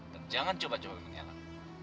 dan jangan coba coba menyalah